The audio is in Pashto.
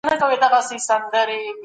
په تور کي زرکه بنده